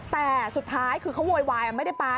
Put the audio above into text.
แต่สุดท้ายคือเขาโวยวายไม่ได้ปลา